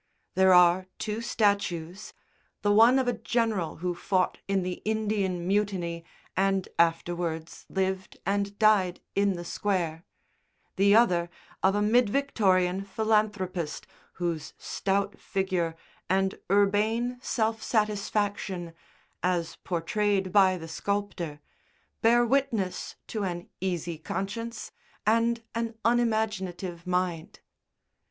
There are two statues, the one of a general who fought in the Indian Mutiny and afterwards lived and died in the Square, the other of a mid Victorian philanthropist whose stout figure and urbane self satisfaction (as portrayed by the sculptor) bear witness to an easy conscience and an unimaginative mind.